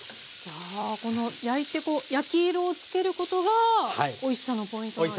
はあこの焼いて焼き色をつけることがおいしさのポイントなんですか？